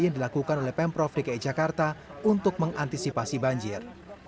ini adalah perbaikan turap yang dilakukan oleh pemprov dki jakarta untuk mengantisipasi banjir